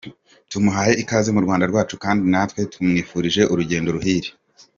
Tumuhaye ikaze mu Rwanda rwacu kandi natwe tumwifurije urugendo ruhire!.